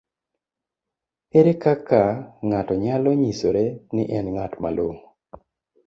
ere kaka ng'ato nyalo nyisore ni en ng'at malong'o?